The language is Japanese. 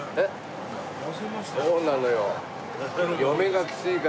そうなのよ。